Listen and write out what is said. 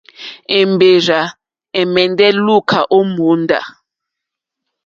Èmbèrzà ɛ̀mɛ́ndɛ́ lùúká ó mòóndá.